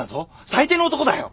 最低の男だよ。